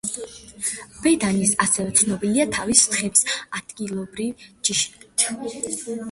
ბენადირი ასევე ცნობილია თავისი თხების ადგილობრივი ჯიშებით.